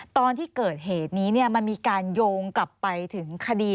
ตอนที่เกิดเหตุนี้มันมีการโยงกลับไปถึงคดี